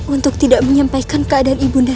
untuk tidak menyampaikan keadaan ibu nda